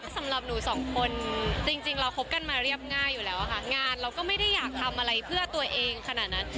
สำหรับหนูสองคนจริงเราคบกันมาเรียบง่ายอยู่แล้วค่ะงานเราก็ไม่ได้อยากทำอะไรเพื่อตัวเองขนาดนั้น